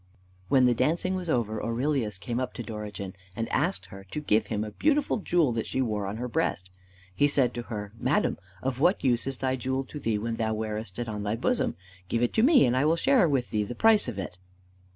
When the dancing was over, Aurelius came up to Dorigen and asked her to give him a beautiful jewel that she wore on her breast. He said to her, "Madam, of what use is thy jewel to thee when thou wearest it on thy bosom? Give it to me, and I will share with thee the price of it."